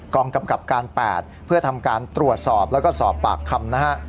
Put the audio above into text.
กำกับการ๘เพื่อทำการตรวจสอบแล้วก็สอบปากคำนะฮะ